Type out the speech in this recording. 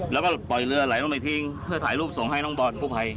แล้วก็ปล่อยเรือไหลลงไปทิ้งเพื่อถ่ายรูปส่งให้น้องบอลกู้ภัย